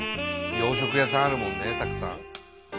洋食屋さんあるもんねたくさん。